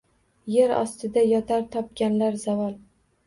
Yer ostida yotar topganlar zavol.